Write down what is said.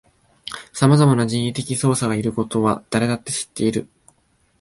さまざまな人為的操作がいることは誰だって知っている